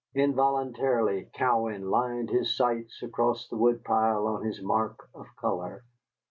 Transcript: Involuntarily Cowan lined his sights across the woodpile on this mark of color.